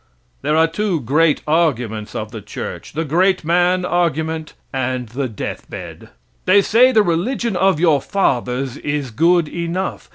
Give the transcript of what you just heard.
There are two great arguments of the church the great man argument and the death bed. They say the religion of your fathers is good enough.